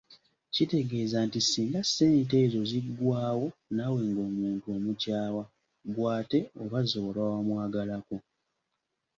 Kitegeeza nti singa ssente ezo ziggwaawo naawe ng'omuntu omukyawa gw'ate oba zewaba wamwagalako!